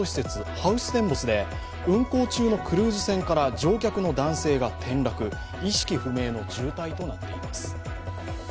ハウステンボスで運航中のクルーズ船から乗客の男性が転落、意識不明の重体となっています。